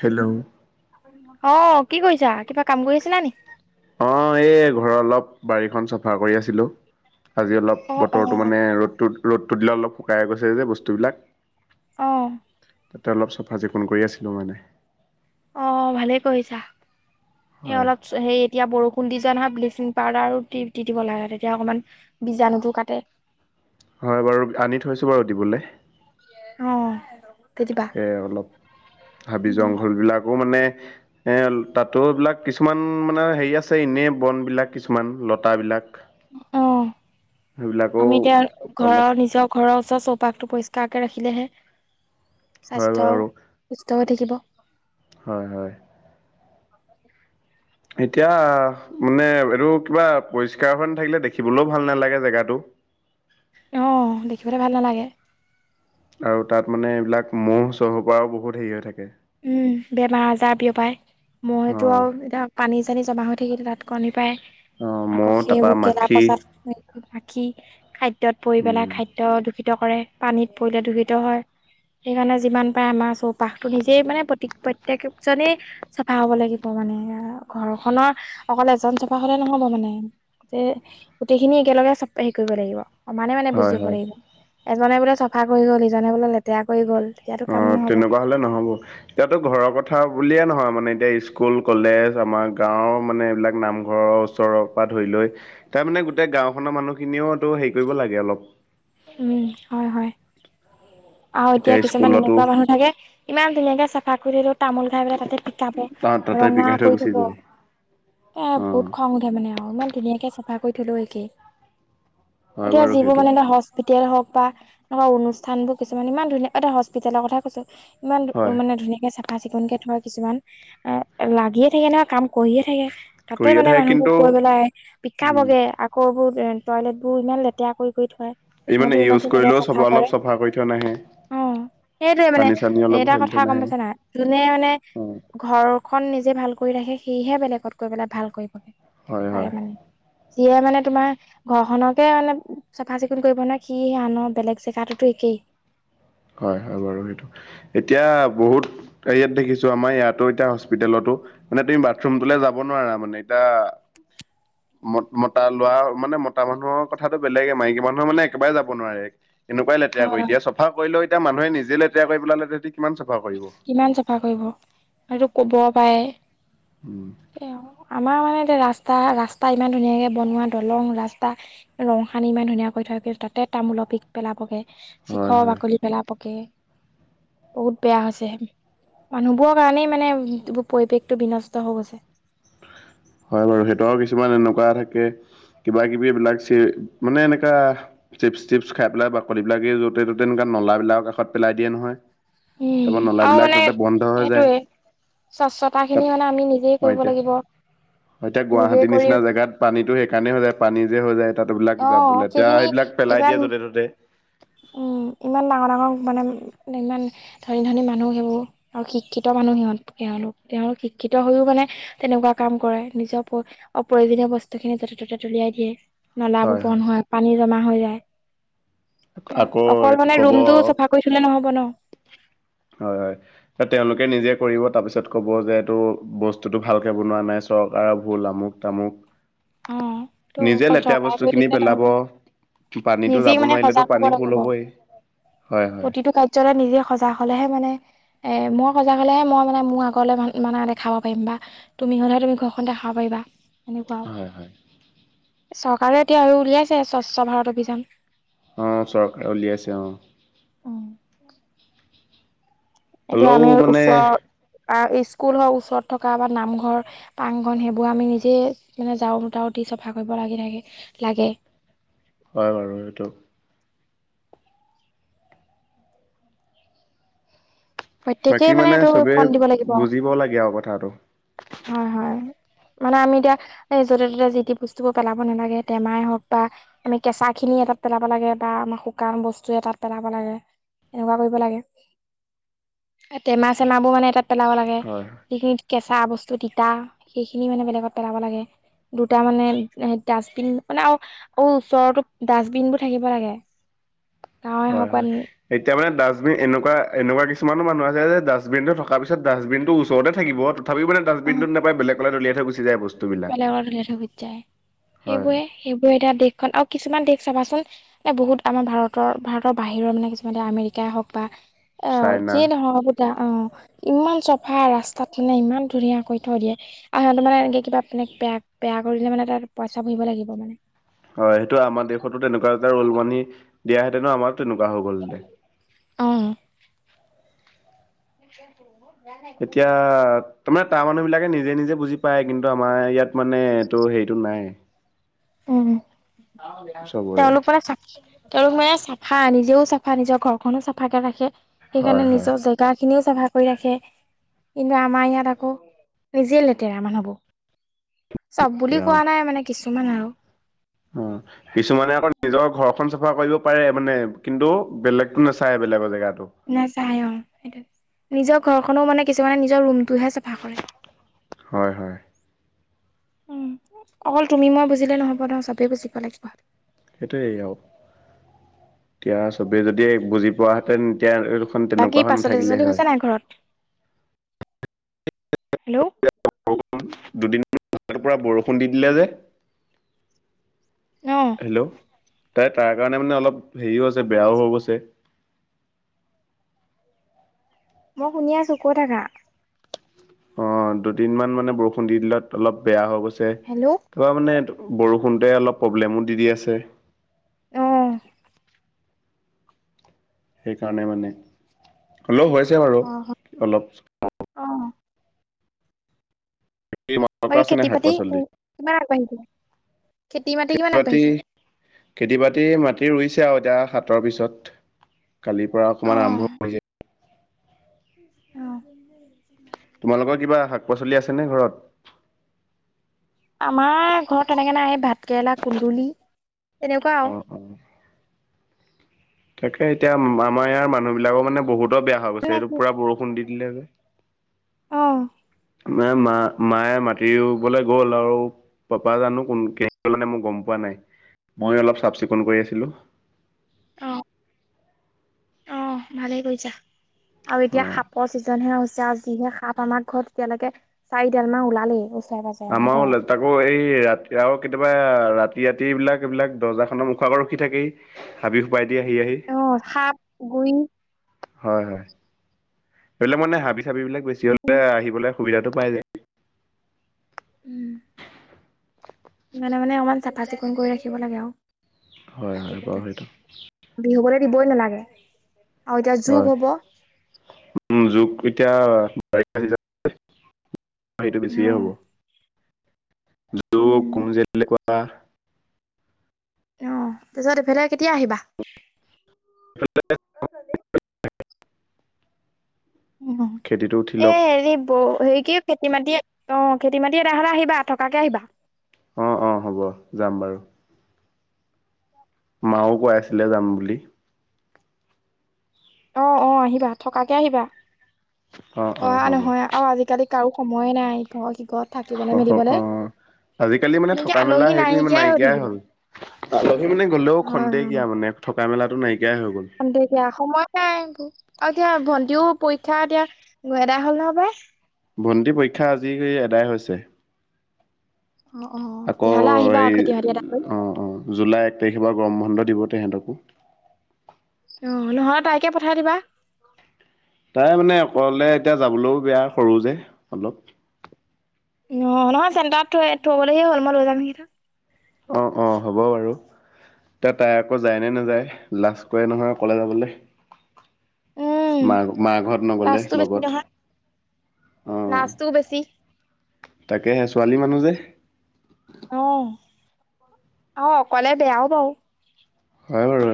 Hello অ', কি কৰিছা কিবা কাম কৰি আছিলা নে? অ', এই ঘৰৰ অলপ বাৰীখন চাফা কৰি আছিলো। আজি অলপ অ', বতৰটো অ'। মানে ৰ'দত ৰ'দটোত দিলে অলপ শুকাই গৈছে যে বস্তুবিলাক আহ, তাতে অলপ চাফা চিকুণ কৰি আছিলোঁ মানে অ', ভালে কৰিছা এই হয়। অলপ সেই এতিয়া বৰষুণ দি ব্লিচিং পাউদাৰো দি দি দিব লগা হয় তেতিয়া অকণমান বীজাণুটো কাটে হয়, বাৰু আনি থৈছো বাৰু দিবলে অ', দি দিবা। তাকে অলপ হাবি জংঘল বিলাকো মানে এই তাতো ইবিলাক কিছুমান মানে হেৰি আছে এনে বনবিলাক কিছুমান লতা বিলাক অ', আমি তেওঁ অলপ ঘৰৰ নিজৰ ঘৰৰ ওচৰ চৌপাশটো পৰিষ্কাৰকে ৰাখিলেহে হয় স্বাস্থ্য বাৰু সুস্থ হৈ থাকিব। হয়, হয় [unintelligible] এতিয়া মানে এইটো কিবা পৰিষ্কাৰ হয় ন থাকিলে দেখিবলৈও ভাল নালাগে জেগাটো উ [unintelligible] অ', দেখিবলৈ ভাল নালাগে আৰু তাত মানে এইবিলাক মহ চহুৰ পৰাও বহুত হেৰি হৈ থাকে উম, বেমাৰ আজাৰ বিয়পাই মইতো আৰু অঁ এতিয়া পানী পানী জমা হৈ থাকিলে তাত কণী পায় অঁ আকৌ ম'হ তাৰপৰা সেইবোৰ গেলা মাখি প্ৰচাদ কি খাদ্যত পৰি পেলাই উম, খাদ্য দুষিত কৰে পানীত পৰিলে দূষিত হয়, সেইকাৰণে যিমান পাৰে আমাৰ চৌপাশটো নি মানে প্ৰ প্ৰত্যক জনেই চাফা হব লাগিব মানে ঘৰখনৰ অকলে এজন ন চফা হলে নহব মানে গো গোটেই খিনি একেলগে চ হেৰি কৰিব লাগিব সমানে মানে হয় বুজিব হয় লাগিব। এজনে বোলে চফা কৰি গল ইজনে বোলে লেতেৰা কৰি গল। তেতিয়াতো অ কাম নহব তেনেকুৱা হ'লে নহ'ব। এতিয়াতো ঘৰৰ কথা বুলিয়ে নহয় মানে এতিয়া স্কুল কলেজ আমাৰ গাঁৱৰ মানে এইবিলাক নামঘৰৰ ওচৰৰ পৰা ধৰি লৈ তাৰ মানে গোটেই গাওখনৰ মানুহখিনিওটো হেৰি কৰিব লাগে অলপ উম, হয়, হয়। অহ, এতিয়া কিছুমান এনেকুৱা মানুহ থাকে ইমান ধুনীয়াকে চাফা কৰিলেও তামোল খাই পেলাই তাতে পিকাব তাত তাতে ৰঙা পিকাই থৈ কৰি গুচি থব। যায় অহ, বহুত অঁ খং উঠে মানে আৰু ইান ধুনীয়াকে চাফা কৰি থলো একেই হয় এতিয়া বাৰু যিবোৰ সেইটো মানে এটা হোটেল হওক বা এনেকুৱা অনুষ্ঠান বোৰ কিছুমান ইমান ধুনীয়া এটা হস্পিতেলৰ কথা কৈছো ইমান হয় মানে ধুনীয়াকে চাফা চিকুণকে থোৱা কিছুমান এ লাগিয়ে থাকে ন কাম কৰিয়ে থাকে তাতে কৰিয়ে মানে থাকে মানুহবোৰ কিন্তু গৈ পেলাই পিকাব উম, গে আকৌবোৰ টয়লেট বোৰ ইমান লেতেৰা কৰি কৰি থয়। ই সিহঁতি মানে ইমান ইউজ ধুনীয়াকে কৰিলেও চাফা চব কৰে অলপ চাফা কৰি থোৱা নাহে। অ', সেইটোয়ে মানে পানী চানী অলপ এটা ঢালি কথা থৈ গম নাহে পাইছে নাই যোনে মানে অ ঘৰ খন নিজে ভাল কৰি ৰাখে সি হে বেলেগত গৈ পেলাই ভাল কৰিবগে হয় পাৰে হয় মানে। যিয়ে মানে তোমাৰ ঘৰ খনকে মানে চাফা চিকুণ কৰিব নোৱাৰে সি আনৰ বেলেগ জেগাতোতো একেই। হয়, হয়, বাৰু। সেইটো এতিয়া বহুত হেৰিয়াত দেখিছো আমাৰ ইয়াতো এতিয়া হস্পিতেলতো মানে তুমি বাথৰুম তলৈ যাব নোৱাৰা মানে এতিয়া ম মতা লোৱা মানে মতা মানুহৰ কথাটো বেলেগে মাইকী মানুহে মানে একেবাৰে যাব নোৱাৰে। এনেকুৱাই লেতেৰা কৰি হয় দিয়া চফা কৰিলেও এতিয়া মানুহে নিজে লেতেৰা কৰি পেল লে থ কিমান চাফা কৰিব আৰু ক'ব পাৰে উম এ আমাৰ মানে তে ৰাস্তা, ৰাস্তা ইমান ধুনীয়াকে বনোৱা দলং, ৰাস্তা, ৰং সানি ইমান ধুনীয়াাকৈ থয় কিন্তু তাতে তামোলৰ পিক পেলাবগে হয় চিখৰ হয় বাকলি পেলাবগে, বহুত বেয়া হৈছে। মানুহবোৰৰ কাৰনেই মানে এইোৰ পৰিৱেশটো বিনষ্ট হৈ গৈছে। হয় বাৰু সেইতও কিছুমান এনেকুৱা থাকে কিবা কিবি এইবিলাক চি, মানে এনেকা চিপচ টিপচ খাই পেলাই বাকলি বিলাকে য'তে ত'তে এ নলাাবলাক কাষত পেলাই দিয়ে নহয়, তাৰপৰা আৰু নলাাবলাক মানে তাতে বন্ধ হৈ যায়। সেইটোৱে স্বচ্ছতা খিনি তাত মানে আমি নিজেই হয় কৰিব এতিয়া লাগিব। এতিয়া নিজে গুৱাহাটীৰ কৰি নিচিনা জেগাত পানীতটো সেইকাৰণে হৈ যায় পানী যে হৈ যায়। তবিলাক অ যা, লেতেৰা সেইখিনি সেইবিলাক পেলাই ইমান দিয়ে য'তে ত'তে। উম। ইমান ডাঙৰ ডাঙৰ মানে ইমান ধনী ধনী মানুহ সেইবোৰ, আৰু শিক্ষিত মানুহ সিহঁত। তেওঁলোক তেওঁলোক শিক্ষিত হৈও মানে তেনেকুৱা কাম কৰে নিজৰ প্ৰয়োজনীয় বস্তু খিনি ত তে উলিয়াই দিয়ে নলাবোৰ বন্ধ হয় পানী জমা হৈ যায়। কিয় আকৌ অকল এইটো মানে ক'ব ৰুমটো চফা কৰি থলে নহ'ব ন? হয়, হয়, তেওঁলোকে নিজে কৰিব তাৰপিছত ক'ব যে এইটো বস্তুতটো ভালকে বনোৱা নাই চৰকাৰৰ ভুল আমুক অ তামুক। ত নিজে অকল লেতেৰা চৰকাৰে বস্তু কৰি খিনি থাকিলে পেলাব। নহব পানীতো নিজেই যাব মানে নোৱাৰিলেতো সজাগ হ'ব পানী ফুল লাগিব হবই। হয় হয় প্ৰতিটো কাৰ্যালয় নিজে সজাগ হলেহে মানে এ মই সজাগ হলেহে মই মানে মোৰ আগলে মানে দেখাব পাৰিম বা তুমি হ'লেহ তুমি ঘৰখন দেখা খাব পাৰিবা। এনেকুৱা আৰু হয়, হয়। চৰকাৰে এতিয়া আৰু উলিয়াইছে স্বচ্ছ ভাৰত অভিযান। অঁ, চৰকাৰে উলিয়াইছে অঁ। উম। এতিয়া হ'লেও আমি মানে ওচৰৰ স্কুল হক ওচৰত থকা বা নামঘৰ পাংগন সেইবোৰ আমি নিজে মানে জাৰু চাৰু দি চাফা কৰিব লাগি থাকে লাগে হয় বাৰু সেইটো বাকী প্ৰত্যেকেই মানে এইটো চবেই কণ দিব লাগিব বুজিব লাগে আৰু কথাটো হয় হয় মানে আমি এতিয়া এই য'তে ত'তে যি টি বস্তুবোৰ পেলাব নালাগে টেমাই হওক বা আমি কেঁচা খিনি পিনী এটাত পেলাব লাগে বা আমাৰ শুকান বস্তু এটাত পেলাব লাগে এনেকুৱা কৰিব লাগে। টেমা চেমাবোৰ মানে তাত পেলাব লাগে, হয় যিখিনি কেঁচা বস্তু যটো তিতা সেইখিনি মানে বেলেগত পেলাব লাগে। দুটা মানে ডাষ্টবিন মানে আৰু অ ওচৰতো ডাষ্টবিন বোৰ থাকিব লাগে। গাঁৱে হয়, হওক বা হয়, এতিয়া মানে ডাষ্টবিন এনেকুৱা এনেকুৱা কিছুমানো মানুহ আছে যে ডাষ্টবিন টো থকাৰ পিছত ডাষ্টবিন টো ওচৰতে থাকিব তথাপিও মানে ডাবিনটোত নেপেলাই বলেগ ফালে দলিয়াই গুচ যায় বস্তু বেলেগৰ ধলে ধবিত যায় হয় সেইবোৰে সেইবোৰে এতিয়া দেশখন আৰু কিছুমান দেশ চাবাচোন বহুত আমাৰ ভাৰতৰ ভাৰতৰ বাহিৰৰ মানে কিছুমান আমেৰিকাই হওক বা অ চাইনা যিয় নহয় বুতা অ ইমান চাফা ৰাস্তাত মানে ইমান ধুনীয়াাকৈ থৈ দিয়ে আৰু সিহঁতৰ মানে এনেকে কিবা মানে বেয়া বেয়া কৰিলে মানে তাত পইচা ভৰিব লাগিব মানে হয় সেইটো আমাৰ দেশতো তেনেকুৱা এটা ৰুল মানি দিয়াহেতেনো আমাৰো তেনেকুৱা হৈ গলহেতেন অ এতিয়া তাৰমানে তাৰ মানুহ বিলাকে নিজে নিজে বুজি পায় কিন্তু আমাৰ ইয়াত মানে ত' সেইটো নাই উ চবৰে তেওঁলোক মানে তেওঁলোক মানে হা নিজেও চাফা নিজৰ ঘৰখনো চাফাকে ৰাখে হয় সেইকাৰণে হয় নিজৰ জেগা খিনিও চফা কৰি ৰাখে কিন্তু আমাৰ ইয়াত আকৌ নিজে লেতেৰা মানুহবোৰ চব বুলি কোৱা অ নাই মানে কিছুমান আৰু অ কিছুমানে আকৌ নিজৰ ঘৰখন চাফা কৰিব পাৰে মানে কিন্তু বেলেগতো নাচায় বেলেগৰ জেগাত ন চাই অ সেইটোয়ে নিজৰ ঘৰখনো মানে কিছুমানে নিজৰ ৰুম টোহে চাফা কৰে হয় হয় উম অকল তুমি মই বুজিলে নহব নহ চবেই বুজিব লাগিব সেইটোৱেই আৰু এতিয়া সবেই যদি বুজি পোৱাহেঁতেন এতিয়া এইখন বাকী তেনেকুৱা হৈ পাচলি নাথাকিলে চাচলি হয় হৈছে নাই ঘৰত হেল্ল' দুদিনৰ পৰা বৰষুণ দি দিলে যে অ হেল্ল' তাই তাৰ কাৰণে মানে অলপ হেৰিও অ আছে শুনি বেয়াও আছো হৈ গৈছে মই শুনি আছো কৈ থাকা অ দুদিন মান মানে বৰষুণ দি দিলত অলপ বেয়া হৈ গৈছে হেল্ল' অ তাৰপৰা মানে বৰষুণতে অলপ প্ৰব্লেমো দি দি আছে আহ সেইকাৰণে মানে অলপ হৈছে বাৰু অ অলপ অ তোমালোকৰ বাকী আছেনে খেতি নাই শাক বাতি পাচলি কিমান আগবাঢ়িছে খেতি বাতি খেতি বাতি মাটি ৰুইছে আৰু এতিয়া সাতৰ পিছত কালিৰ পৰা অকমান আৰম্ভ হৈ যায় আহ তোমালোকৰ কিবা শাক পাচলি আছেনে ঘৰত আমাৰ ঘৰত তেনেকে নাই ভাত কেৰেলা কুন্দুলি এনেকুৱা আৰু অ' অ' তাকে এতিয়া আমাৰ ইয়াৰ মানুহ বিলাকো মানে বহুতো বেয়া হৈ মানে গৈছে এইটো কি পুৰা বৰষুণ দিন [unintelligible] অ'। ম, মা মায়ে মাতিবলে গ'ল আৰু পাপা জানো কোন কে মই গম পোৱা নাই। মই অলপ চাফ-চিকুণ কৰি আছিলো। অ'। অ', ভালেই কৰিছা আৰু অ এতিয়া সাপৰ ছিজনহে হৈছে আজ যিহে সাপ আমাৰ ঘৰত তেতিয়ালৈকে চাৰি তেল মাহ ওলালেই। ওচৰে পাজৰে মানে আমৰ হ'ল ঘৰৰ তাকো এই ৰাতি আৰু কেতিয়াবা ৰাতি ৰাতি এইবিলাক এইবিলাক দৰ্জা খনৰ মুখ আগত ৰখি থাকেহি হাবি সোপা অ সাপ গুই হয় হয় এইবিলাক মানে হাবি চাবি বিলাক বেছি হলে আহিবলৈ সুবিধাটো পাই যায় উম মানে মানে অকমান চাফা চিকুণ কৰি ৰাখিব লাগে আৰু হয় কাটি হয় বাউ কুটি হেইতো বিহুবলৈ দিবই নালাগে। আৰু এতিয়া জোক হয় হব উম, জু এতিয়া বাৰিষ সেইটো বেছিয়ে অ হ'ব। জ উম কোন জা [unintelligible] অহ, তাৰপিছত এইফালে কেতিয়া আহিবা? উম, খেতিটো উঠি এ লওক হেৰি বৌ হেৰি কি খেতি মাটি অ', খেতি মাটি এটা হ'লে আহিবা, থকাকে আহিবা। অ', অ', হ'ব যাম বাৰু। মাও কৈ আছিলে যাম বুলি। অ', অ', আহিবা থকাকে আহিবা অ', নহয় আৰু আজিকালি কাৰো সময়ে নাই ঘ অ', অ'। আজিকালি মানে এনেকে থকা মেলা আলহী হেইটো ইমান হৈ নাইকিয়াই থাকিলে। হ'ল আলহী মানে গ'লেও হয় খন্তেকিয়া হয়। মানে থকা কমেলাটো নাই। খন্তেকীয়া সময় আই আৰু এতিয়া ভন্টিও পৰীক্ষা এতিয়া এদা হ'ল নহয় বাই। ভণ্টি পৰীক্ষা আজি এদায় হৈছে। অ অ আকৌ তেতিয়াহ'লে আহিবা হে আৰু খেতি বাতি এটা কৰি অ', অ', জুলাই ত' সেইবাৰ গৰম বন্ধ দিব তেহেঁতকো। অহ, নহ'লে তাইকে পঠাই দিবা। প্ৰাই মানে অকলে এতিয়া যাবলৈও বেয়া সৰু যে অলপ। অ', নহয় চেণ্টাৰত থৈ থঙবলৈগে হ'ল মই ৰৈ যাম নেকি? অ', অ', হ'ব বাৰু। এয়া তাই আকৌ যায় নে নাযায়, লাষ্ট কৰে নহয় অকলে যাবলৈ। উম মা, মা ঘৰত নগ'লে লগত। অ', নাচটোও বেছি। তাকেহে ছোৱালী মানুহ যে। অ', অ', অকলে বেয়াও বাৰু। হয় বাৰু,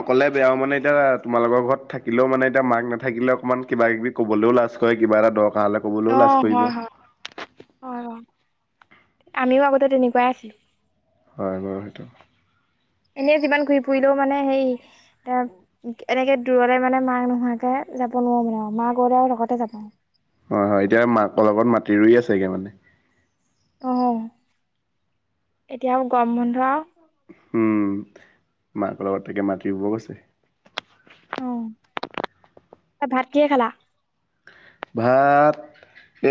অকলে বেয়াও মানে এতিয়া তোমালোকৰ ঘৰত থাকিলেও মানে এতিয়া মাক নাথাকিলে অক কিবা কিবি ক'বলৈও লাজ কৰে, কিবা এটা দৰ অ', হয়, হয়, হয়, হয়। আমিও আগতে তেনেকুৱাই আছ হয় বাৰু সেইটো। এনে যিমান ঘূৰি ফুৰিলেও মানে হেৰি এ এনেকে দূৰলে মানে মা নোহোৱাকে যাব নোৱাৰো মানে আৰু মা গ'লে আৰু লগতে যাব। হয়, হয়, এতিয়া মাকৰ লগত মাতি ৰুই আছেগে মানে? অ', এতিয়া আৰু গৰম বন্ধ আৰু। হোম--মাকৰ লগত তাকে মাতি ৰুব গৈ। অ' ভাত কিহে খাল? ভাত।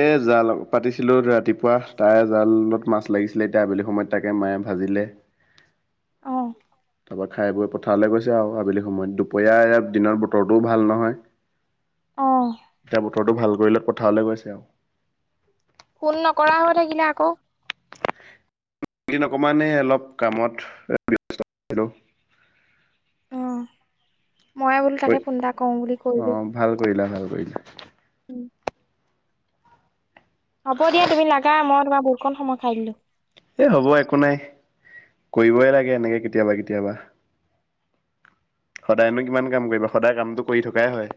এ জাল পাতিছিলো ৰাতিপুৱা। তাৰে জালত মাছ লাগিছিলে, এতিয়া আবেলি সময়ত তাকে মায়ে। ভাজিলে। অহ'। তাৰপৰা খাই বৈ পথাৰলৈ গৈছে আৰু আবেলি সময়ত দুপৰীয়া ইয়াত দিনত বতৰটোও ভাল নহয়। অ এতিয়া বতৰটো ভাল কৰিলত পথাৰলৈ গৈছে আৰু। ফোন নকৰা হৈ থাকিলে আকৌ। এইকেদিন অকণমান এই কামত ব্যস্ত হয় থাকিলোঁ। অহ। মইে বোলো তাকে ফোন এটা কওঁ বুলি কৰিলোঁ। অ' ভাল কৰিলা ভাল কৰিলা হ'ব দিয়া তুমি লা, মই তোমাৰ বহুতকন সময় খাই দিলো। এ হ'ব একো নাই। সদায়নো কিমান কাম কৰিবা। সদায় কামটো কৰি থকাই হয়।